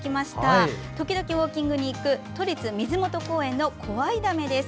時々ウォーキングに行く都立水元公園の小合溜井です。